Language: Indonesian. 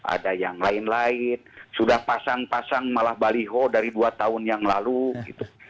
ada yang lain lain sudah pasang pasang malah baliho dari dua tahun yang lalu gitu